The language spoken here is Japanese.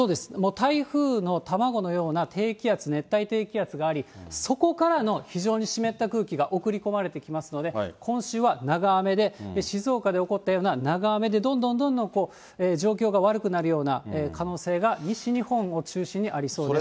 台風の卵のような、低気圧、熱帯低気圧があり、そこからの非常に湿った空気が送り込まれてきますので、今週は長雨で、静岡で起こったような長雨でどんどんどんどん、状況が悪くなるような可能性が西日本を中心にありそうです。